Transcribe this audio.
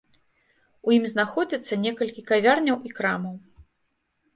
У ім знаходзяцца некалькі кавярняў і крамаў.